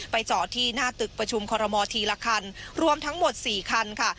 จอดที่หน้าตึกประชุมคอรมอลทีละคันรวมทั้งหมด๔คันค่ะ